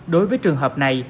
đối với trường hợp này